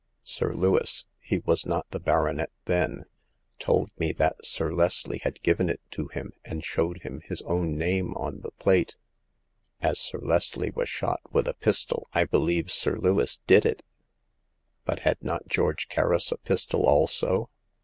Sir Lewis — he was not the baronet then — told me that Sir Leslie had given it to him, and showed me his own name on the plate. As Sir Leslie was shot with a pistol, I believe Sir Lewis did it." But had not George Kerris a pistol also